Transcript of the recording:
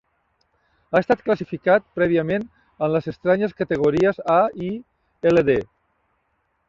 Ha estat classificat prèviament en les estranyes categories A i Ld.